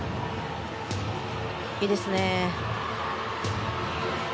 いいですね。